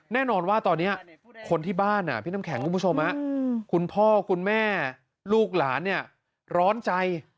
แน่นอนว่าตอนนี้คนที่บ้านพี่น้ำแข็งคุณผู้ชมคุณพ่อคุณแม่ลูกหลานเนี่ยร้อนใจ